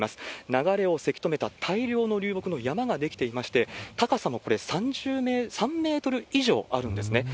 流れをせき止めた大量の流木の山が出来ていまして、高さもこれ、３メートル以上あるんですね。